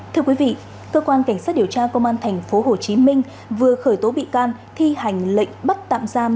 thưa quý vị cơ quan cảnh sát điều tra công an tp hcm vừa khởi tố bị can thi hành lệnh bắt tạm giam